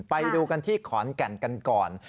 ไปดูกันที่ขอนแก่นกันก่อน